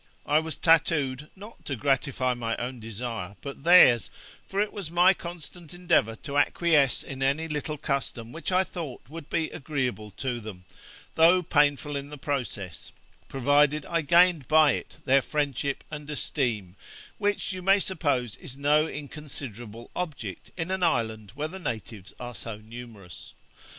I was tattooed, not to gratify my own desire, but theirs; for it was my constant endeavour to acquiesce in any little custom which I thought would be agreeable to them, though painful in the process, provided I gained by it their friendship and esteem, which you may suppose is no inconsiderable object in an island where the natives are so numerous.